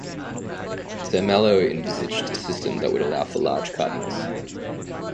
Zermelo envisaged a system that would allow for large cardinals.